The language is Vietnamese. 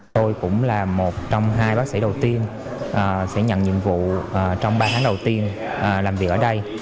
tôi cũng là một trong hai bác sĩ đầu tiên sẽ nhận nhiệm vụ trong ba tháng đầu tiên làm việc ở đây